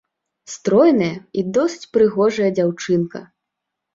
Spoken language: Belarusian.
Стройная і досыць прыгожая дзяўчынка.